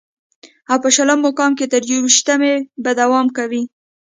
او په شلم مقام چې تر يوویشتمې به دوام کوي